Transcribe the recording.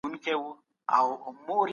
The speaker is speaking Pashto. تاريخ اساساً يوه فردي او ځانګړې څانګه ده.